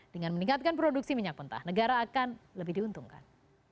dengan meningkatkan produksi minyak mentah negara akan lebih diuntungkan